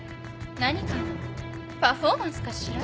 何かのパフォーマンスかしら？